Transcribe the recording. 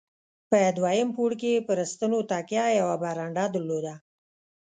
په دوهم پوړ کې یې پر ستنو تکیه، یوه برنډه درلوده.